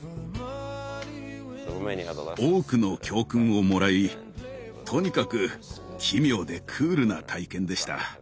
多くの教訓をもらいとにかく奇妙でクールな体験でした。